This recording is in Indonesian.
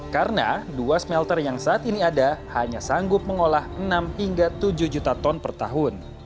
karena dua smelter yang saat ini ada hanya sanggup mengolah enam hingga tujuh juta ton per tahun